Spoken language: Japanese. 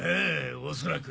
おそらく。